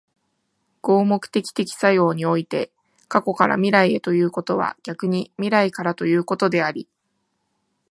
合目的的作用において、過去から未来へということは逆に未来からということであり、